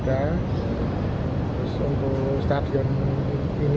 terus untuk stadion ini